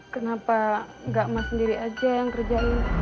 kenapa tidak sendiri saja yang kerjain